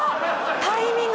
タイミング